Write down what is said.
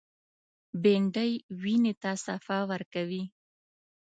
بېنډۍ وینې ته صفا ورکوي